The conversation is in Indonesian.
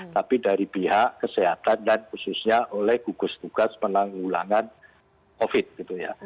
tapi dari pihak kesehatan dan khususnya oleh gugus tugas penanggulangan covid gitu ya